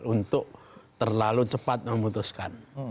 untuk terlalu cepat memutuskan